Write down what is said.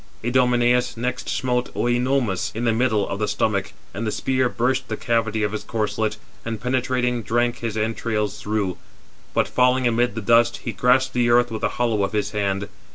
Idomeneus next smote Œnomaus in the middle of the stomach, and the spear burst the cavity of his corslet, and penetrating, drank his entrails through; but falling amid the dust, he grasped the earth with the hollow of his hand.